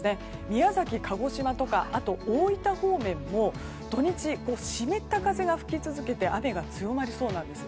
宮崎、鹿児島とかあと、大分方面も土日、湿った風が吹き続けて雨が強まりそうなんです。